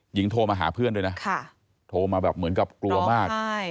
หญิงโทรมาหาเพื่อนด้วยนะโทรมาแบบเหมือนกับกลัวมาก